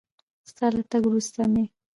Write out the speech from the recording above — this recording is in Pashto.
ستا له تګ وروسته مې